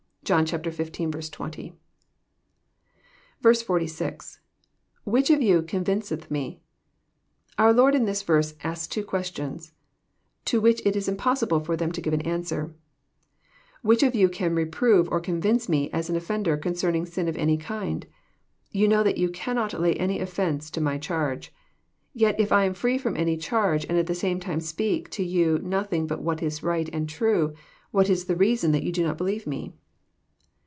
(John XV. 20.) is, — [^Which of you eonvinceth mef etc,'] Onr Lord in this verse asks two qaestions, to which it was impossible for them to give an answer :*' Which of you can reprove or convince Me as an offender concerning sin of any kind? You know that you can not lay any offence to My charge. Tet if I am free from any charge, and at the same time speak to you nothing but what is right and true, what is the reason that ye do not believe Me